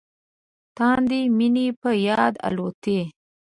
د تاندې مينې په یاد الوتای